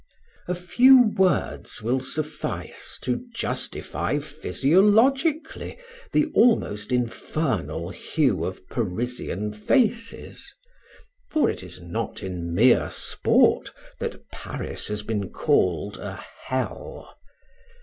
A few words will suffice to justify physiologically the almost infernal hue of Parisian faces, for it is not in mere sport that Paris has been called a hell.